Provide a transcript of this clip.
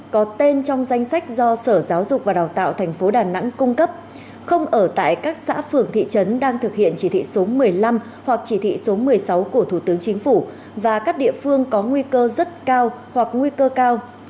có tên trong danh sách do sở giáo dục và đào tạo tp đà nẵng cung cấp không ở tại các xã phường thị trấn đang thực hiện chỉ thị số một mươi năm hoặc chỉ thị số một mươi sáu của thủ tướng chính phủ và các địa phương có nguy cơ rất cao hoặc nguy cơ cao